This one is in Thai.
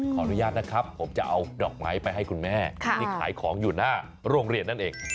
ขออนุญาตนะครับผมจะเอาดอกไม้ไปให้คุณแม่ที่ขายของอยู่หน้าโรงเรียนนั่นเอง